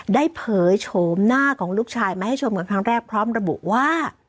เผยโฉมหน้าของลูกชายมาให้ชมกันครั้งแรกพร้อมระบุว่า